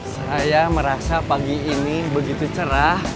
saya merasa pagi ini begitu cerah